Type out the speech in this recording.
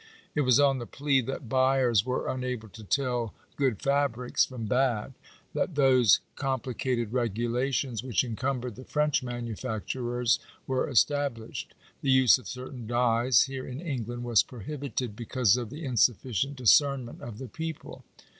It was on the plea that buyers were unable to tell good fabrics from bad, that those compli cated regulations which encumbered the French manufacturers were established. The use of certain dyes here in England was prohibited, because of the insufficient discernment of the people.